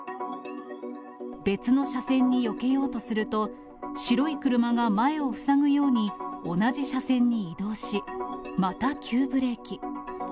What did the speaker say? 別の車線によけようとすると、白い車が前を塞ぐように、同じ車線に移動し、また急ブレーキ。